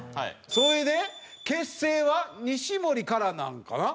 それで結成は西森からなのかな？